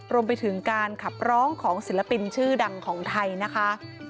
รวมไปถึงการขับร้องของศิลปินชื่อดังของไทยนะคะ